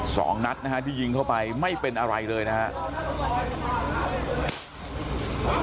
สองนัดนะฮะที่ยิงเข้าไปไม่เป็นอะไรเลยนะครับ